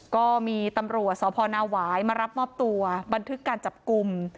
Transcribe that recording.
ก็มีตำรวจสพนาหวายมารับมอบตัวบันทึกการจับกลุ่ม